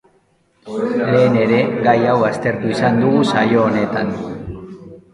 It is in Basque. Lehen ere gai hau aztertu izan dugu saio honetan.